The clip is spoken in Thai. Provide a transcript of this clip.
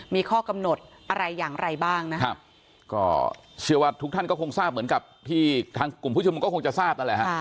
มีข้อกำหนดอะไรอย่างไรบ้างนะครับก็เชื่อว่าทุกท่านก็คงทราบเหมือนกับที่ทางกลุ่มผู้ชมนุมก็คงจะทราบนั่นแหละฮะ